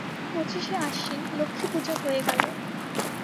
পঁচিশে আশ্বিন লক্ষ্মীপুজো হয়ে গেল।